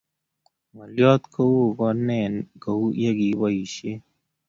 ng'oliot, keeu ko nee kou ye kikiboisie?